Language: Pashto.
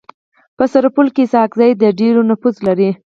په سرپل کي اسحق زي د ډير نفوذ لري.